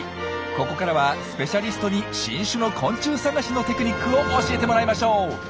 ここからはスペシャリストに新種の昆虫探しのテクニックを教えてもらいましょう！